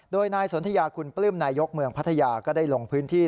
โดยนายสนทยาคุณปลื้มนายกเมืองพัทยาก็ได้ลงพื้นที่